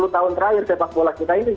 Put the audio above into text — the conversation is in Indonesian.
dua puluh tahun terakhir sepak bola kita ini